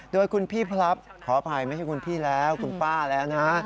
โดยคุณพี่พลับขออภัยไม่ใช่คุณพี่แล้วคุณป้าแล้วนะ